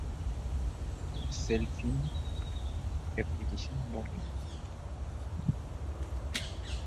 Playing staccato is the opposite of playing legato.